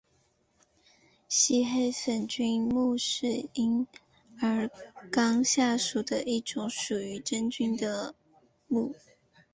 线黑粉菌目是银耳纲下属的一种属于真菌的目。